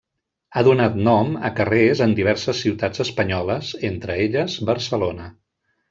Ha donat nom a carrers en diverses ciutats espanyoles, entre elles, Barcelona.